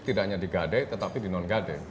tidak hanya di gadei tetapi di non gadei